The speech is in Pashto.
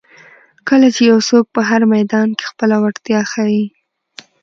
کله چې یو څوک په هر میدان کې خپله وړتیا ښایي.